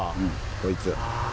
こいつ。